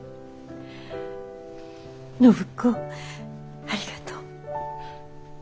暢子ありがとう。